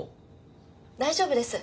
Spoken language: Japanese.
大丈夫です。